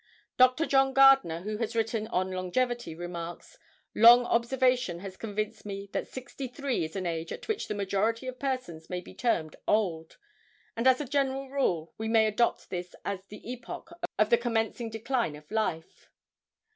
Dr. John Gardner, who has written on "Longevity," remarks: "Long observation has convinced me that sixty three is an age at which the majority of persons may be termed old, and as a general rule we may adopt this as the epoch of the commencing decline of life."